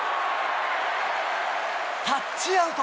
タッチアウト。